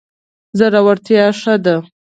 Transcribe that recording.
زړورتیا ښه ده.